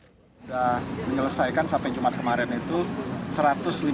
sudah menyelesaikan sampai jumat kemarin itu